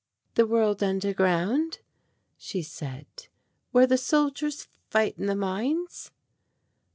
"The world underground," she said, "where the soldiers fight in the mines?"